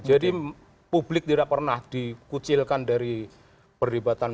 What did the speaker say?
jadi publik tidak pernah dikucilkan dari perlibatan